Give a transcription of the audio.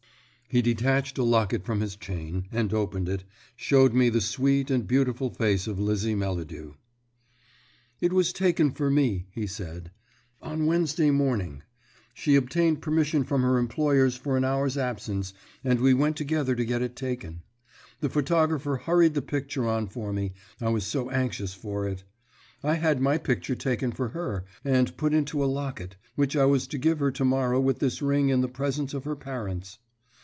He detached a locket from his chain, and opening it, showed me the sweet and beautiful face of Lizzie Melladew. "It was taken for me," he said, "on Wednesday morning. She obtained permission from her employers for an hour's absence, and we went together to get it taken. The photographer hurried the picture on for me, I was so anxious for it. I had my picture taken for her, and put into a locket, which I was to give her to morrow with this ring in the presence of her parents."